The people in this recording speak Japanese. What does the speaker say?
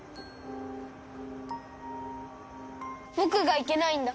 僕がいけないんだ！